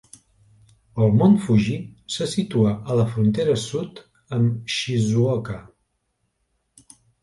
El mont Fuji se situa a la frontera sud amb Shizuoka.